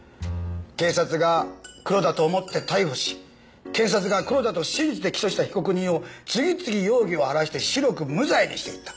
警察がクロだと思って逮捕し検察がクロだと信じて起訴した被告人を次々容疑を晴らして白く無罪にしていった。